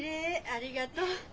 ありがとう。